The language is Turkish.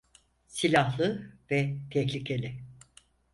Silahlı ve tehlikeli.